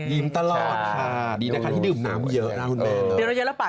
ดีนะคะที่ดื่มน้ำเยอะ